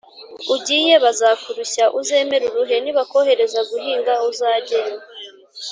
ugiye bazakurushya, uzemere uruhe. nibakohereza guhinga, uzageyo